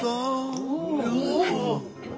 おお！